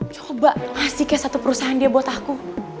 coba ngasih ke satu perusahaan dia buat aku